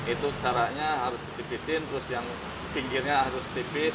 itu jaraknya harus ditipisin terus yang pinggirnya harus tipis